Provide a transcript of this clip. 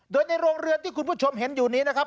โดยในโรงเรือนที่คุณผู้ชมเห็นอยู่นี้นะครับ